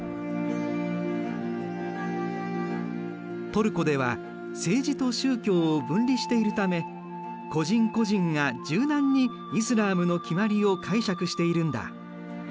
トルコでは政治と宗教を分離しているため個人個人が柔軟にイスラームの決まりを解釈しているんだ。